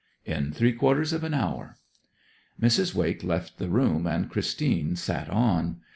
'In three quarters of an hour.' Mrs. Wake left the room, and Christine sat on.